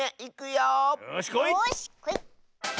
よしこい！